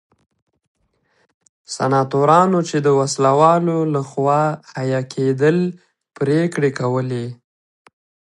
سناتورانو چې د وسله والو لخوا حیه کېدل پرېکړې کولې.